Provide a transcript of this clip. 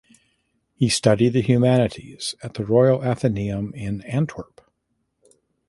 He studied the humanities at the Royal Atheneum in Antwerp.